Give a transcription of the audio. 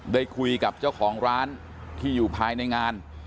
ได้คุยกับเจ้าของร้านที่อยู่ภายในงาน